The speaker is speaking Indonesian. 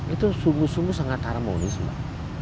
itu sungguh sungguh sangat harmonis mbak